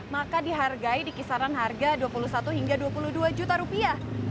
maka dihargai di kisaran harga dua puluh satu hingga dua puluh dua juta rupiah